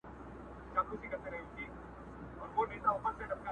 شپه ده د بوډیو په سینګار اعتبار مه کوه!.